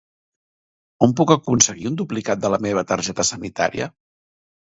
On puc aconseguir un duplicat de la meva targeta sanitària?